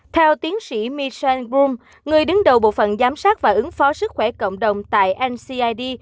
theo tiến sĩ michel goom người đứng đầu bộ phận giám sát và ứng phó sức khỏe cộng đồng tại ncid